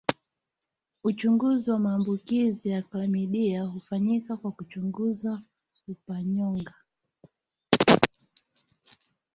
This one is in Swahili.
Uchunguzi wa maambukizi ya klamidia hufanyika kwa kuchunguza fupanyonga